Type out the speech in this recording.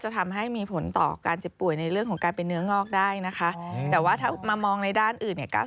แต่ว่าถ้ามองในด้านอื่น